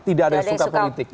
tidak ada yang suka politik